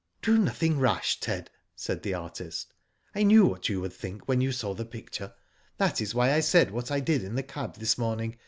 " Do nothing rash, Ted," said the artist. " I knew what you would think when you saw the picture, that is why I said what I did in the cab this morning.